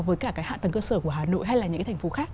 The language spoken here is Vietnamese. với cả cái hạ tầng cơ sở của hà nội hay là những cái thành phố khác